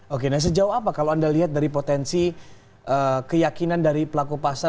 oke nah sejauh apa kalau anda lihat dari potensi keyakinan dari pelaku pasar